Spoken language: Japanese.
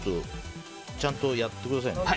ちゃんとやってくださいね。